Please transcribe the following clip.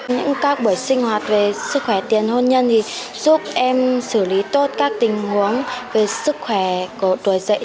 những các buổi sinh hoạt về sức khỏe tiền hôn nhân giúp em xử lý tốt các tình huống về sức khỏe của tuổi dạy